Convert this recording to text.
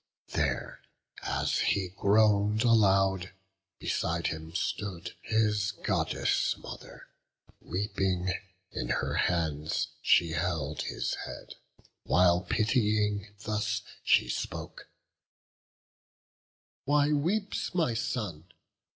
There, as he groan'd aloud, beside him stood His Goddess mother; weeping, in her hands She held his head, while pitying thus she spoke: "Why weeps my son?